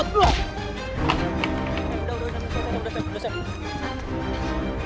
udah udah udah udah sam